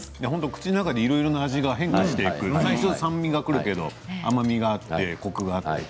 口の中でいろいろと変化していくような酸味がくるけれども甘みがあってコクがあって。